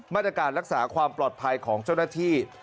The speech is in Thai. มาตรการรักษาความปลอดภัยของเจ้าหน้าที่